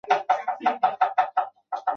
验货完再付钱